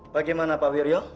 bagaimana pak wirjo